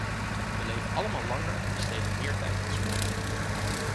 Wij leven allemaal langer en besteden meer tijd aan sport.